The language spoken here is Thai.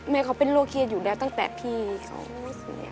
เขาเป็นโรคเครียดอยู่แล้วตั้งแต่พี่เขาเสีย